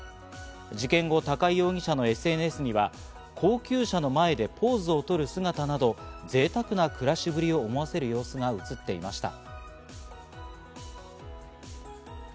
事件後、高井容疑者のＳＮＳには高級車の前でポーズをとる姿など、贅沢な暮らしぶりを思わせる様子が写っていました。